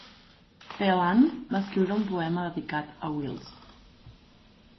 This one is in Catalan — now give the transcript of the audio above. Phelan va escriure un poema dedicat a Wills.